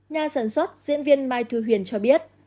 ca sản xuất diễn viên mai thu huyền cho biết